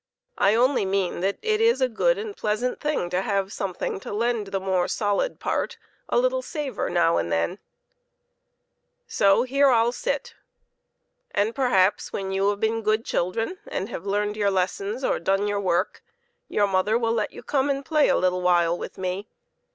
I only mean that it is a good and pleasant thing to have something to lend the more solid part a little savor now and then ! So, here I'll sit ; and, perhaps, when you have been good children, and have learned your lessons or done your work, your mother will let you come and play a little while with me.